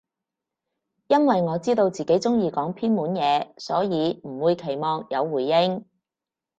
因爲我知道自己中意講偏門嘢，所以唔會期望有回應